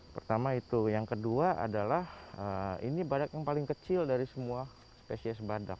pertama itu yang kedua adalah ini badak yang paling kecil dari semua spesies badak